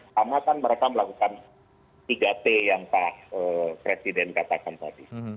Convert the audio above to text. sama kan mereka melakukan tiga t yang pak presiden katakan tadi